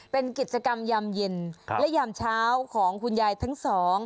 เป็นกิจกรรมยามเย็นและยามเช้าของคุณยายทั้งสอง